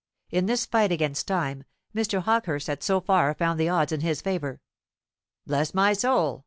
In this fight against time, Mr. Hawkehurst had so far found the odds in his favour. "Bless my soul!"